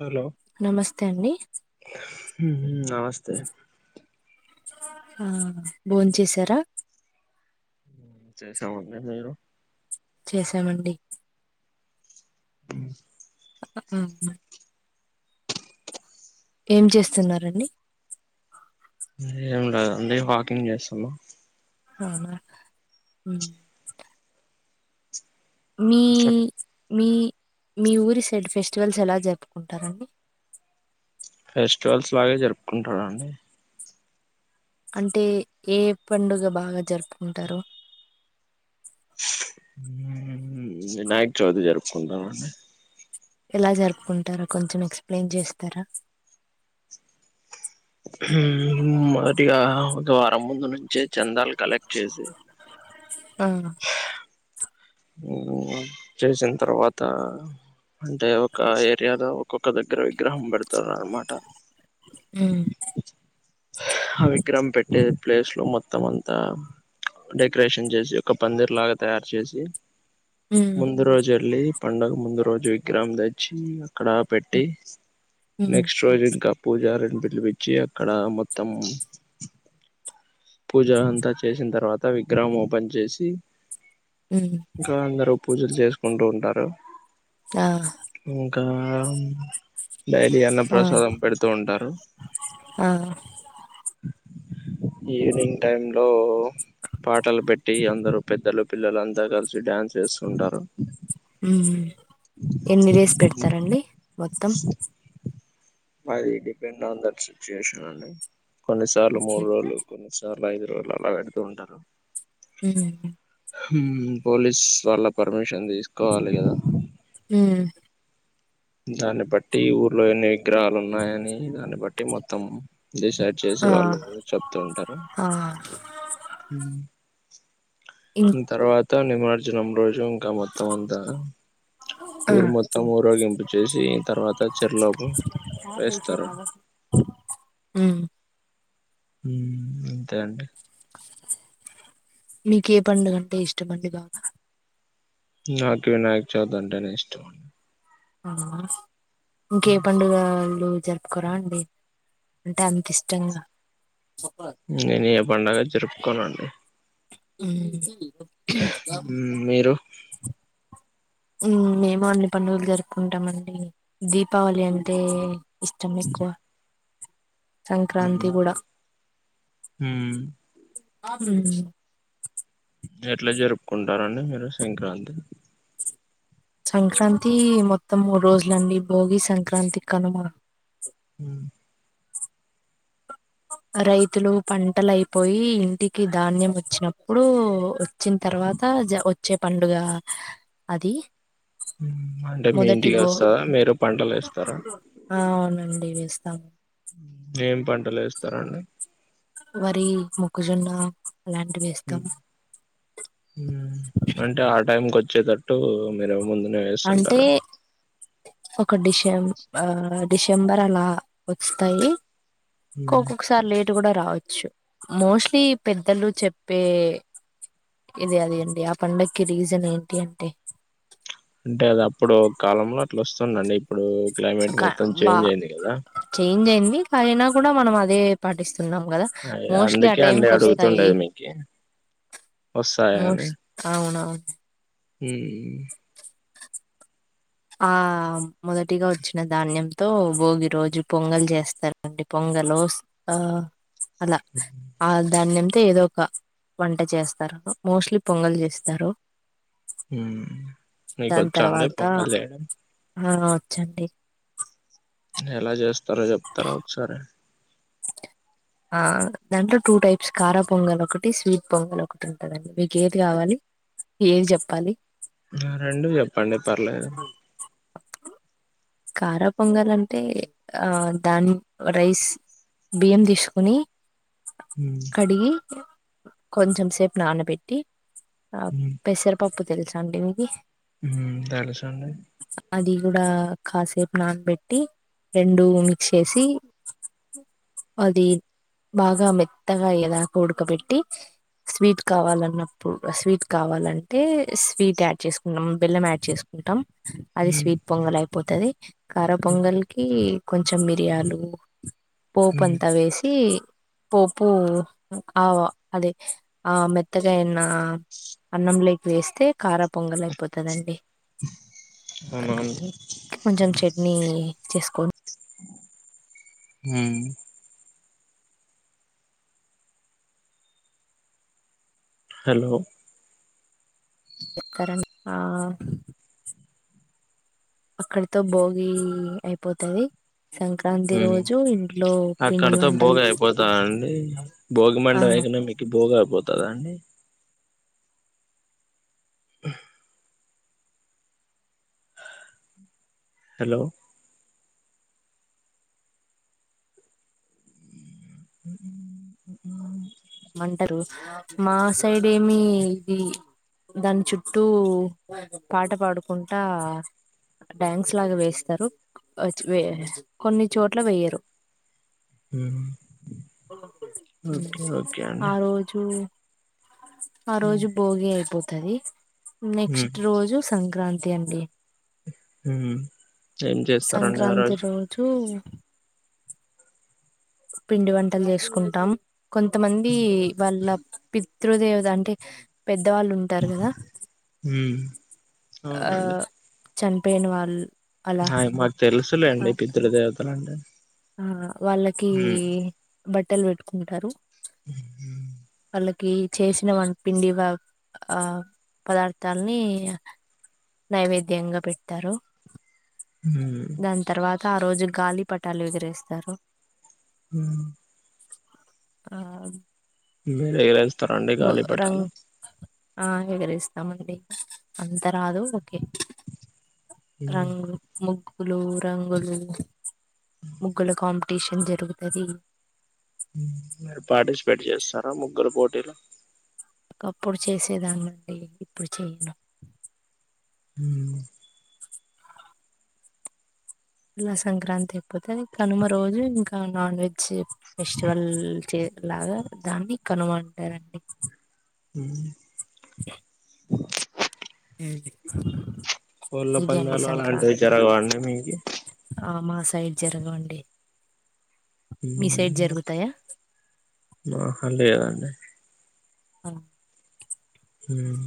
Hello నమస్తే అండి నమస్తే ఆహా బోం చేసారా చేసామండి మీరు చేసామండి అ [unintelligible] ఏం చేస్తున్నారండి ఏం రాదండి వాకింగ్ చేస్తున్న అవునా మ్మ్ మీ మీ మీ ఊరి సైడ్ ఫెస్టివల్స్ ఎలా జరుపుకుంటారండి. ఫెస్టివల్స్ [unintelligible] జరుపుకుంటార అండి అంటే ఏ పండుగ బాగ జరుపుకుంటారు వినాయక చవితి జరుపుకుంటామండి ఎలా జరుపుకుంటారో కొంచెం ఎక్స్ప్లెయిన్ చేస్తార మొదటిగ ఒక వారం ముందు నుంచే చందలు కలెక్ట్ చేసి ఆ చేసిన తర్వాత అంటే ఒక ఏరియాలో ఒక్కొక్క దగ్గర విగ్రహం [unintelligible] అనమాట ఉమ్ ఆ విగ్రహం పెట్టే ప్లేస్ లో మొత్తం అంత డెకరేషన్ చేసి ఒక పందిర్ లాగ తయారు చేసి ఉమ్ ముందు రోజు వెళ్లి పండగ ముందు రోజు విగ్రహం తెచ్చి అక్కడ పెట్టి ఉమ్ నెక్స్ట్ రోజు ఇంక పూజరిని పిలిపిచ్చి అక్కడ మొత్తం పూజరి అంతా చేసిన తర్వాత విగ్రహం ఓపెన్ చేసి ఉ ఇంకా అందరూ పూజలు చేసుకుంటూ ఉంటారు ఆ ఇంకా డైలీ అన్న ఆ ప్రసాదం పెడుతూ ఉంటారు ఆ ఈవినింగ్ టై లో పాటలు పెట్ [unintelligible] అందరు పెద్దలు పిల్లలు అంతా కలిసి డ్యాన్స్ చేస్తుంటారు ఎన్ని వేసి పెడతారండి మొత్తం అది డిపెండ్ ఆన్ దట్ సిచ్యుయేషన్ అండి కొన్నిసార్లు ఓకే మూడు రోజులు కొన్ని [unintelligible] ఐదు రోజులు అలా పెడుతూ ఉంటారు ఉ పోలీస్ వాళ్ల్ళ పర్మిషన్ తీసుకోవాలి కద హు దాన్ని బట్టి ఊర్లో ఎన్ని విగ్రహాలు ఉన్నాయని దాన్ని బట్టి మొత్తం డిసైడ్ చేసి ఆ వాళ్ళు చెప్తూ ఉంటారు ఆ ఇం తర్వాత నిమార్జనం రోజు ఇంక మొత్తం అంత ఆ ఊరు మొత్తం ఊరగింపు చేసి తర్వాత [unintelligible] రా వేస్తారు [unintelligible] అంతే అండి నీకు ఎ పండుగంటే ఇష్టమండి బాగ నాకి వినాయకి చవితి అంటే నేను ఇష్టం అండి ఆ ఇంకే పండుగలు జరుపుకురా అండి అంటే అంత ఇష్టంగ నేను పండుగ జరుపుకోనం హు మిరు మేము అన్ని పండుగలు జరుపుకుంటామండి దీపావళి అంటే ఇస్టం ఎక్కువ సంక్రాంతి గుడ హ్మ్ హు ఎట్లా జరుపుకుంటారడి మీరు సంక్రాంతి సంక్రాంతి మొత్తం మూడు రోజులండి భోగి సంక్రాంతి కనుమ మ్మ్ ఆ రైతులు పంటలు అయిపోయి ఇంటికి ధాన్యం వచ్చినప్పుడు వచ్చిన తర్వాత వచ్చే పండుగ అది అంటే మీ మొదటి ఇంటికి భో వస్తదా మీరు పంటలు వేస్తారా ఆ అవునండి ఇవేస్తాం ఏం పంటలు వేస్తారండి వరి ముక్కజొన్న అంటే ఆ టైంకి వచ్చ వచ్చేతట్టు మీరు ముందునే అంటే వేస్తుంటార ఒక డిసెం ఆ డిసెంబర్ అలా వస్తాయి కో కోక్క సార్ లేట్ కూడా రావచ్చు మోస్ట్ లీ పెద్దలు చెప్పే ఇది అదీ అండి ఆ పండక్కి రీజన్ ఏంటి అంటే అంటే అది అప్పుడు ఓ కాలంలో అట్లా వస్తుంది అండి ఇప్పుడు క్లెమేట్ మొత్తం చేంజ్ అయింది కదా ఇంకేంది అయినా కూడా మనం అదే పాటిస్తాం ఉన్నాం కదా అయ్ మోస్ట్ లీ ఆ అందుకే టైం అండి కి వస్తాయి అడుగుతుండేది మీకి మోస్ అవునా మ్మ్ ఆ మొదటిగా వచ్చిన ధాన్యంతో భోగి రోజు పొంగల్ చేస్తారండి పొంగల్ ఆ అలా అద్ ధాన్యం తో ఏదో ఒక వంట చేస్తారు మోస్ట్ లీ పొంగల్ చేస్తారు మ్మ్ మీకు దాని వచ్చా అండి తర్వాత పొంగల్ చేయడం ఆ వచ్చండి ఎలా చేస్తారో చెప్తారా ఒకసారి ఆ దాంట్లో టూ టైప్స్ కారా పొంగల్ ఒకటి స్వీట్ పొంగల్ ఒకటి ఉంటాదండి మీకు ఏది కావాలి ఏం చెప్పాలి ఆ రెండు చెప్పండి పర్లేదు కారా పొంగల్ అంటే ఆ దాని రైస్ బియ్యం తీసుకుని మ్మ్ కడిగి కొంచెం సేపు నానబెట్టి మ్మ్ పెసర పప్పు తెలుసా అండి మీకి మ్మ్ తెలుసండి అది కూడా కాసేపు నానబెట్టి రెండు మిక్స్ చేసి అది బాగా మెత్తగా అయ్యే దాక ఉడకపెట్టి స్వీట్ కావాలన్నప్పుడు స్వీట్ కావాలంటే స్వీట్ యాడ్ చేసుకున్నాం బెల్లం యాడ్ చేసు కుంటాం అది మ్మ్ స్వీట్ పొంగల్ అయిపోతాది కారా పొంగల్కి కొంచెం మిరియాలు పోపు మ్మ్ అంతా వేసి పోపూ ఆవ అదే ఆ మెత్తగా అయిన అన్నం లేకి వేస్తే కారా పొంగల్ అయిపోతదండి అవునా అండి కొంచెం చెట్నీ చేసుకోన్ మ్మ్ హలో చెతర ఆ అక్కడితో భోగి అయిపోతది సంక్రాంతి రోజు ఇంట్లో పిండి అక్కడితో వంటలు భోగి ఆ ఐనా మీకు బోగా అయిపోతదా అండి హలో మంటారు మా సైడ్ ఏమి ఇది దాని చుట్టూ పాట పాడుకుంటా డ్యాన్స్ లాగా వేస్తారు కొన్ని చోట్ల వేయరు హ్మ్మ్ ఓకే ఓకే ఆ అండి రోజు ఆ రోజు భోగి అయిపోతది నెక్స్ట్ రోజు సంక్రాంతి అండి ఏం చేస్తారండి ఆ సంక్రాంతి రోజు పిండి వంటలు చేసుకుంటాం కొంచ కొంతమంది వాళ్ళ పితృదేవత అంటే పెద్ద పెద్ద వాళ్ళు ఉంటారు కదా ఆ చనిపోయిన వాళ్ళు అలా అ మాకు కా తెలుసులేండి పితృ దేవతలు అంటే ఆ వాళ్ళకి బట్టలు పెట్టుకుంటారు వాళ్ళకి చేసిన వ పిండి ఆ పదార్థాలని నైవేద్యంగా పెడ్తారు హ్మ్మ్ ఆ రోజు గాలి పటాలు ఎగరేస్తారు హ్మ్మ్ ఆ మీరూ ఎగరేస్తారండి ము- గాలిపటాలు రంగ్ ఆ ఎగరేస్తామండి అంత రాదు ఓకే రంగు ముగ్గులు రంగులు ముగ్గుల కాంపిటీ పిటిషన్ జరుగుతది మీరు పార్టిసిపేట్ చేస్తారా ముగ్గుల పోటీలో ఒకప్పుడు చేసేదన్నండి ఇప్పుడు చేయను హ్మ్మ్ సంక్రాంతి అయిపోతది కనుమ రోజు ఇంకా నాన్ వెజ్ ఫెస్టివల్ చే లాగా దాన్ని కనుమంటారండి హ్మ్మ్ కోళ్ళ ఇదే అండి పందాలు అలాంటివి సంక్రాంతి జరగవండి మీకి ఆ మాస సైడ్ జరగవండి మీ సైడ్ హ్మ్మ్ జరుగుతాయా మా హాలేదండి అ హ్మ్మ్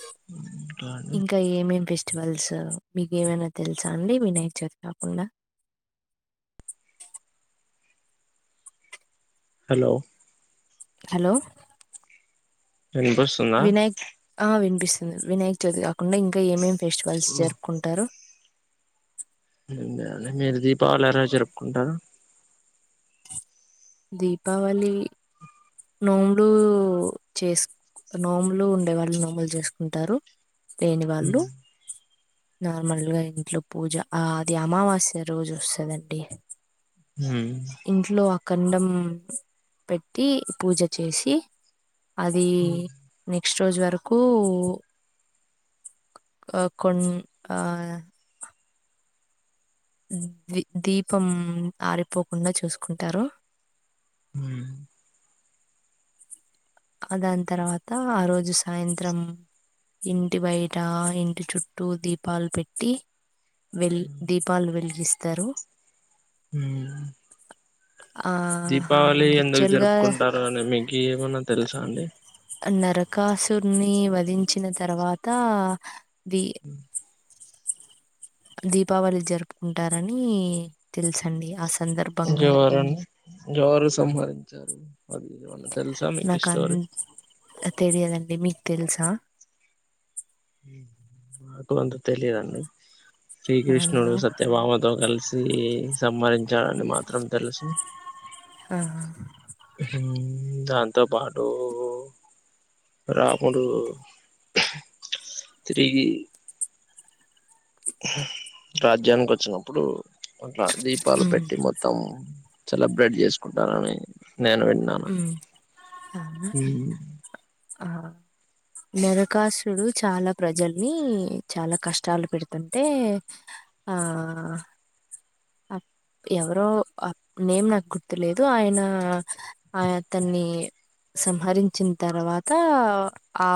హ్మ్మ్ ఇంకా ఏమేం ఫెస్టివల్స్ మీకు ఏవైనా తెలుసా అండి, వినాయ చవిది కాకుండా? హలో హలో వినిపిస్తుందా వినాయక్ ఆ వినిపిస్ వినాయక చవితి కాకుండా ఇంకా ఏమేం ఫెస్టివల్స్ జరుపుకుంటారు? అ మీరు దీపావళి ఎలా జరుపుకుంటారు? దీపావళి నోములు చేసు నోములు ఉండే వాళ్ళు నోములు చేసుకుంటారు. లేని వాళ్ళు నార్మల్ గా ఇంట్లో పూజ ఆ అది అమావాస్య రోజు వస్తదండి. హ్మ్ కండం పెట్టి పూజ చేసి, అది న నెక్స్ట్ రోజు వరకు ఆ కొన్ ఆ ది దీపం ఆరిపోకుండా చూసుకుంటారు. ఉమ్ ఆ దాని తర్వాత ఆ రోజు సాయంత్రం ఇంటి బయట, ఇంటి చుట్టూ దీపాలు పెట్టి వెల్ దీపాలు వెలిగిస్తారు. ఉమ్ ఆ దీపావళి ఎందుకు యాక్చువల్గా జరుపుకుంటారో అని మీకీ ఏమన్నా తెలుసా అండి? నరకాసుర్ని వధించిన తర్వాత ది దీపావళి జరుపుకుంటారని తెలుసండి, ఆస్ జవరుని జవరు సంహరించారు, అది ఎమన్న తెలుసా మీకు స్టోరీ? తెయదండి. తెలుసా? మాకు అంత తెలియదండి, అవునా శ్రీకృష్ణుడు సత్యభామతో కలిసి సి సమ్మరించాలని మాత్రం తెలుసు. ఆహా దాంతో పాటు రాముడు తిరిగి రాజ్యానికి వచ్చినప్పుడు అట్లా దీపాలు ఉమ్ పెట్టి మొత్తం సెలబ్రేట్ చేసుకుంటానని నేను విన్నా ఉమ్ అవునా ఆ నరకాసుడు చాలా ప్రజల్ని చాలా కష్టాలు పెడుతుంటే ఆ అప్ ఎవరో నేం నాకు గుర్తులేదు ఆయన ఆ అతన్ని సంహరించిన తర్వాత ఆ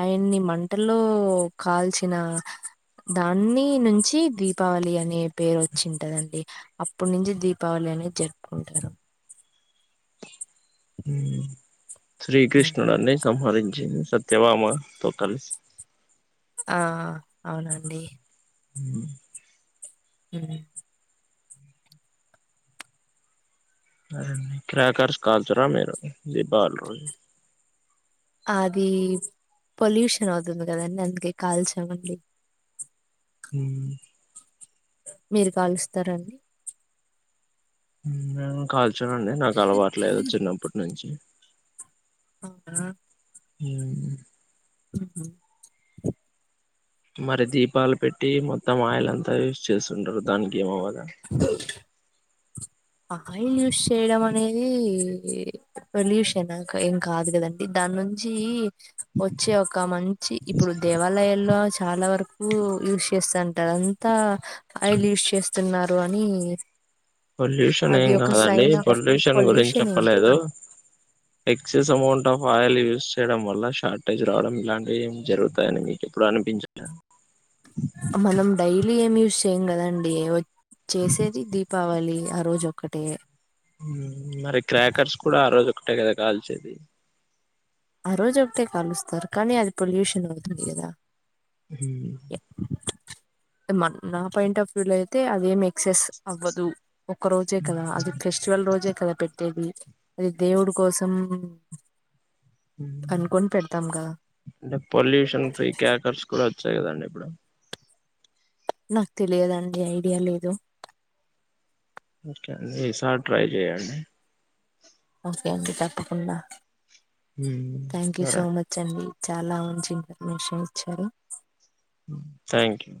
ఆయన్ని మంటల్లో కాల్చిన దాన్ని నుంచి దీపావళి అనే పేరు వచ్ చింటదండి, అప్పుటి నుంచి దీపావళి అనేది జరుపుకుంటారు. ఉమ్, శ్రీకృష్ణుడండి. సంహరించింది సత్యభమతో కలిసి ఆ అవునండి అ ఎడికి అరేని క్రాకర్స్ కాల్చరా మీరు దీపావల్ రోజు ఆది పొల్యూషన్ అవుతుంది కదండి అందుకే కాల్చమండి హ్మ్ మీరు కలుస్తారా అండి నేను కాల్చునండి నాకు అలవాట్లేదు చిన్నప్పట్ నుంచి అవునా హ్మ్ ఉహు. మరి దీపాల్ పెట్టి మొత్తం ఆయిల్ అంతా వేస్ట్ చేస్తుంటారు దానికి ఏం అవ్వాలి ద ఆయిల్ యూస్ చేయడం అనేది పొల్యూషన్ నంక ఏం కాదు కదండి ద నుంచీ వచ్చే ఒక మంచి ఇప్పుడు దేవాలయాల్లో చాలా వరకు యూస్ చేస్తాంట టంత ఆయిల్ యూస్ చేస్తున్నార్ అని టారుంతా ఆయిల్ యూస్ చేస్తున్నారు అని పొల్యూషన్ అది ఏం ఒక కాదండి సైన్ ఆఫ్ పొల్యూషన్ గురిం చెప్పిదు పొల్యూషన్ చెప్పలేదు ఎక్సెస్ అమౌంట్ ఆఫ్ ఆయిల్ చేయడం వల్ల షార్టేజ్ రావడం ఇలాంటివి ఏం జరుగుతాయని మీకు ఎప్పుడు అనిపించలే మనం డైలీ ఏం యూజ్ చేయ్యం కదండి వచ్ చేసేది దీపావళియే ఆ రోజ్ ఒక్కటే మ్ మరి క్రాకర్స్ కూడా ఆ రోజు ఒకటే కదా కాల్చేది ఆ రోజ్ ఒకటే కాలుస్తారు కానీ అది పొల్యూషన్ అవుతుంది కదా హ్మ్ తేమను నా పాయింట్ ఆఫ్ వ్యూ లో అయితే అదేం ఎక్సెస్ అవ్వదు ఒక రోజే కదా అది ఫెస్టివల్ రోజే కదా పెట్టేది అది దేవుడు కోసం మ్ అనుకొని పెడతాం కదా అంటే పొల్యూషన్ ఫ్రీ క్రాకర్స్ కుడ చ్చైకందండి ఇప్పుడు నాక్ తెలియదండి ఐడియా లేదు ఓకే అండి ఇసారి ట్రై చెయండి ఓకే అండి తప్పకుండా థ్యాంక్ యూ సరే సో మచ్ అండి చాలా మంచి ఇన్ఫర్మేషన్ ఇచ్చారు థ్యాంక్ యూ